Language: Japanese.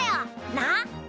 なっ？